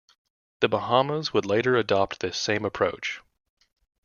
The Bahamas would later adopt this same approach.